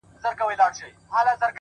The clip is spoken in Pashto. میاشته کېږي بې هویته!! بې فرهنګ یم!!